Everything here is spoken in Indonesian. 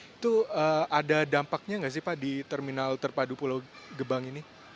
itu ada dampaknya nggak sih pak di terminal terpadu pulau gebang ini